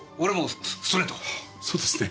そうですね。